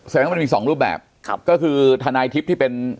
แสดงว่ามันมี๒รูปแบบก็คือทนายทิศที่เป็น